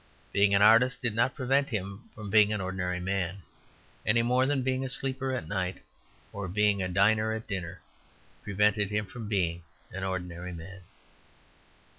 Being an artist did not prevent him from being an ordinary man, any more than being a sleeper at night or being a diner at dinner prevented him from being an ordinary man.